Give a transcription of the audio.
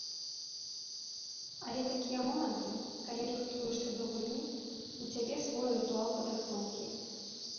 Але такія моманты, калі рыхтуешся да гульні, у цябе свой рытуал падрыхтоўкі.